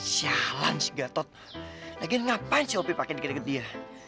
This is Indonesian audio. sialan si gatot lagian ngapain si opi pake deket deket dia